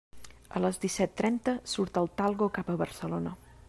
A les disset trenta surt el Talgo cap a Barcelona.